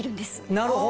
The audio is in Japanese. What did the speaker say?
なるほど。